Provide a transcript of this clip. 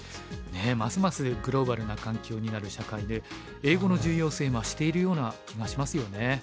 ねえますますグローバルな環境になる社会で英語の重要性増しているような気がしますよね。